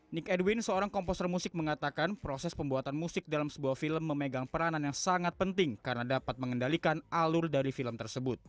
nick edwin seorang komposer musik mengatakan proses pembuatan musik dalam sebuah film memegang peranan yang sangat penting karena dapat mengendalikan alur dari film tersebut